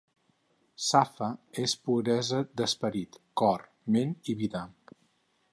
Safa és puresa d'esperit, cor, ment i vida.